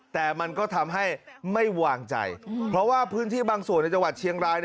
แต่มันก็ทำให้ไม่วางใจเพราะว่าพื้นที่บางส่วนในจังหวัดเชียงราย